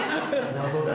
謎だ。